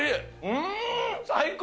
うーん！最高！